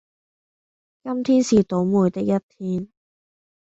今天是倒楣的一天